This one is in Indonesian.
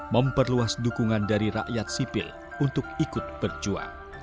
memperluas dukungan dari rakyat sipil untuk ikut berjuang